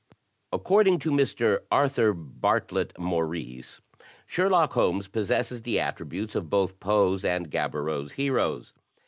According to Mr. Arthur Bartlett Maurice, Sherlock Holmes possesses the attributes of both Poe's and Gaboriau's heroes.